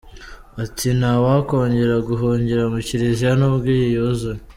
Ati “Ntawakongera guhungira mu Kiliziya n’ubwo iyi yuzuye.